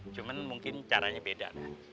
cuman mungkin caranya beda